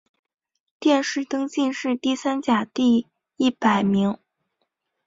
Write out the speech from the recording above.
殿试登进士第三甲第一百名。